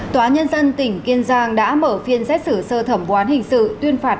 tòa nhân dân tỉnh kiên giang đã mở phiên xét xử sơ thẩm quán hình sự tuyên phạt